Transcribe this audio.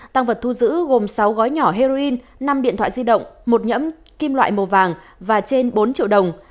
tăng vật thu giữ gồm sáu gói nhỏ heroin năm điện thoại di động một nhẫm kim loại màu vàng và trên bốn triệu đồng